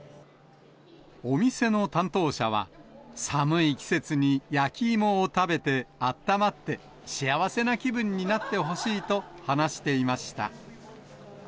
お店の担当者は、寒い季節に焼き芋を食べてあったまって、幸せな気分になってほしいと話していました。